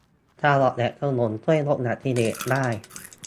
การออกแบบถนนช่วยลดอุบัติเหตุได้